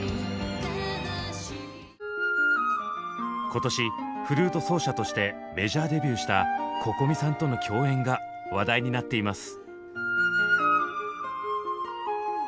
今年フルート奏者としてメジャーデビューしたＣｏｃｏｍｉさんとの共演が話題になっています。